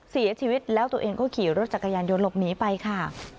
เสียชีวิตแล้วตัวเองก็ขี่รถจักรยานยนต์หลบหนีไปค่ะ